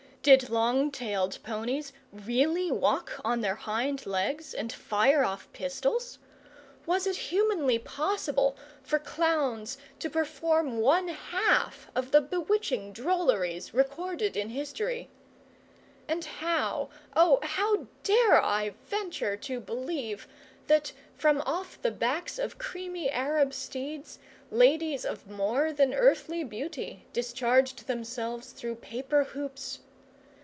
Did long tailed ponies really walk on their hind legs and fire off pistols? Was it humanly possible for clowns to perform one half of the bewitching drolleries recorded in history? And how, oh, how dare I venture to believe that, from off the backs of creamy Arab steeds, ladies of more than earthly beauty discharged themselves through paper hoops?